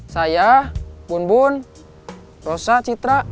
saya pun bun rosa citra